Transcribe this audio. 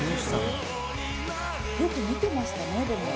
「よく見てましたねでも」